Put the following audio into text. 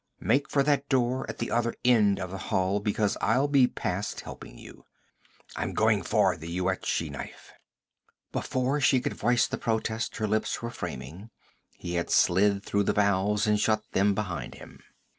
Make for that door at the other end of the hall, because I'll be past helping you. I'm going for the Yuetshi knife!' Before she could voice the protest her lips were framing, he had slid through the valves and shut them behind him.